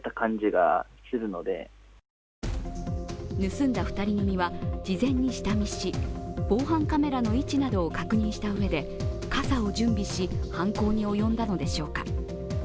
盗んだ２人組は事前に下見し、防犯カメラの位置などを確認したうえで傘を準備し犯行に及んだのでしょうか。